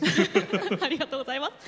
ありがとうございます。